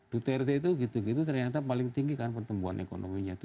duterte itu ternyata paling tinggi kan pertumbuhan ekonominya